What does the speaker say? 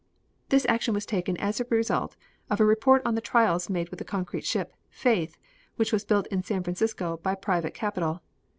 This action was taken as a result of a report on the trials made with the concrete ship, Faith, which was built in San Francisco by private capital.